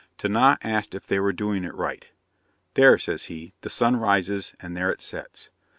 Tinah asked if they were doing it right? 'There,' says he, 'the sun rises, and there it sets.'